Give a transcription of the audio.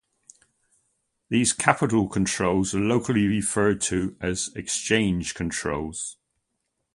These capital controls are locally referred to as "exchange controls".